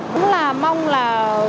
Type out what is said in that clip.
chúng là mong là